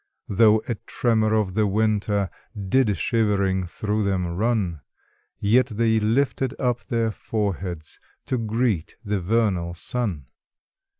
5 Though a tremor of the winter Did shivering through them run; Yet they lifted up their foreheads To greet the vernal sun.